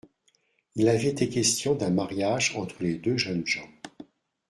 Il avait été question d'un mariage entre les deux jeunes gens.